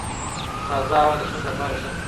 تازه هوا د سږو لپاره ښه ده.